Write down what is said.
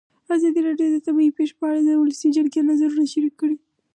ازادي راډیو د طبیعي پېښې په اړه د ولسي جرګې نظرونه شریک کړي.